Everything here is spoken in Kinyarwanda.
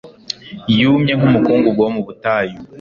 Yumye nkumukungugu wo mu butayu